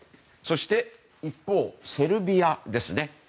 そして一方、セルビアですね。